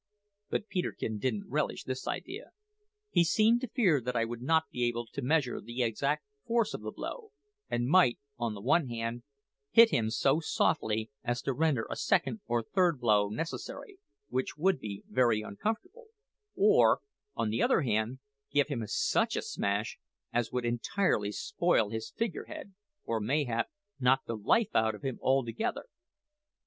"But Peterkin didn't relish this idea. He seemed to fear that I would not be able to measure the exact force of the blow, and might, on the one hand, hit him so softly as to render a second or third blow necessary, which would be very uncomfortable; or, on the other hand, give him such a smash as would entirely spoil his figurehead, or mayhap knock the life out of him altogether!